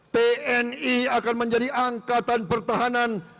tni akan menjadi angkatan pertahanan